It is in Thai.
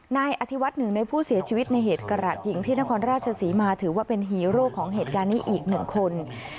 นายอธิวัฒน์หนึ่งในผู้เสียชีวิตในเหตุกระหลาดยิงที่นครราชศรีมาถือว่าเป็นฮีโร่ของเหตุการณ์นี้อีกหนึ่งคน